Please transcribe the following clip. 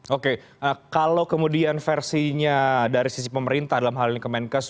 oke kalau kemudian versinya dari sisi pemerintah dalam hal ini kemenkes